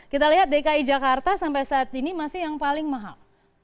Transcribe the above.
kita lihat dki jakarta sampai saat ini masih yang paling mahal